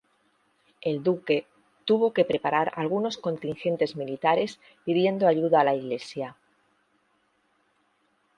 El duque tuvo que preparar algunos contingentes militares pidiendo ayuda a la Iglesia.